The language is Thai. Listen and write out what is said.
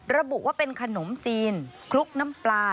ระบุว่าเป็นขนมจีนคลุกน้ำปลา